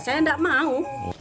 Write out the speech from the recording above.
saya tidak mau